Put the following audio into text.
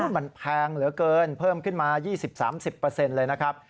มันแพงเหลือเกินเพิ่มขึ้นมา๒๐๓๐เลยนะครับ